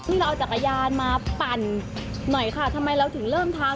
เราเอาจักรยานมาปั่นหน่อยค่ะทำไมเราถึงเริ่มทำ